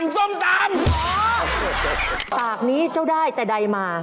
สากนี้เจ้าได้แต่ใดมา